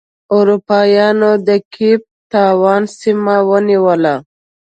اروپا یانو د کیپ ټاون سیمه ونیوله.